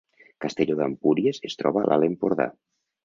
Castelló d’Empúries es troba a l’Alt Empordà